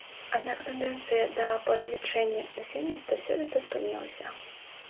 Аднак тэндэнцыя да павелічэння насельніцтва сёлета спынілася.